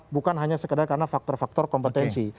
bukan hanya sekedar karena faktor faktor kompetensi